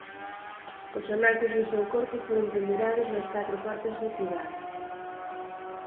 Os anacos do seu corpo foron pendurados nas catro portas da cidade.